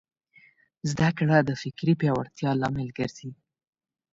زدهکړه د فکري پیاوړتیا لامل ګرځي.